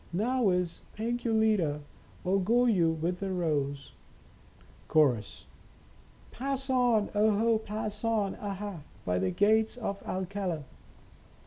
Now is Pink your leader Or go you with the Rose ?" Chorus. " Pass on, oho, pass on, aha, By the Gates of Alcala."